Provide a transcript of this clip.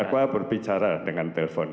terdakwa berbicara dengan telpon